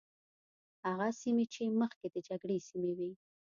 هغه سیمې چې مخکې د جګړې سیمې وي.